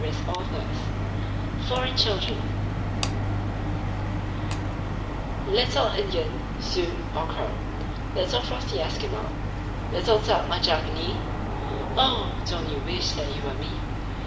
FOREIGN CHILDREN Little Indian, Sioux or Crow, Little frosty Eskimo, Little Turk or Japanee, O! don't you wish that you were me?